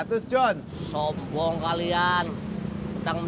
beberapa hari burada cita card fighter